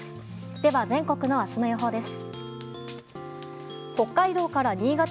では、全国の明日の予報です。